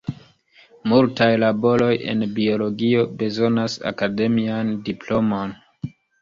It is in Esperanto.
Multaj laboroj en biologio bezonas akademian diplomon.